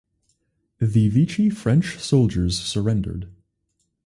The Vichy French soldiers surrendered.